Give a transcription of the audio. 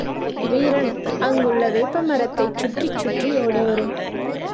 வீரன் அங்குள்ள வேப்ப மரத்தைச் சுற்றிச் சுற்றி ஓடிவரும்.